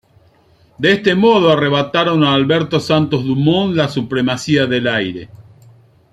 De este modo arrebataron a Alberto Santos Dumont la supremacía del aire.